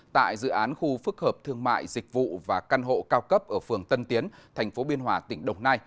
tại dự án khu phức hợp thương mại dịch vụ và căn hộ cao cấp ở phường tân tiến tp biên hòa tỉnh đồng nai